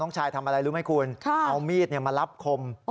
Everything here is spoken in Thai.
ชายทำอะไรรู้ไหมคุณเอามีดมารับคม